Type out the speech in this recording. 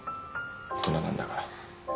大人なんだから。